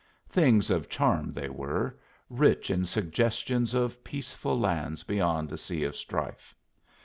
Things of charm they were, rich in suggestions of peaceful lands beyond a sea of strife.